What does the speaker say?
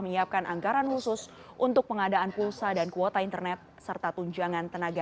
menyiapkan anggaran khusus untuk pengadaan pulsa dan kuota internet serta tunjangan tenaga